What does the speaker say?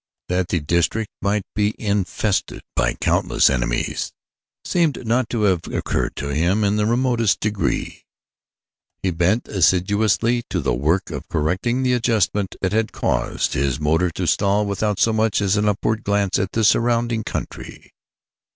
That the district might be infested by countless enemies seemed not to have occurred to him in the remotest degree. He bent assiduously to the work of correcting the adjustment that had caused his motor to stall without so much as an upward glance at the surrounding country.